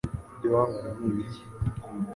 ibyo wankoreye ni ibiki